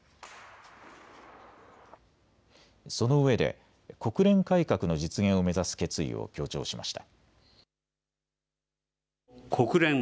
そのうえで国連改革の実現を目指す決意を強調しました。